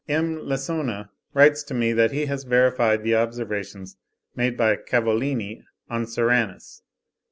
M. Lessona writes to me, that he has verified the observations made by Cavolini on Serranus.